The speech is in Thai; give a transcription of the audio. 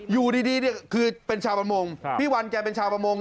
อยู่ดีเนี่ยคือเป็นชาวประมงพี่วันแกเป็นชาวประมง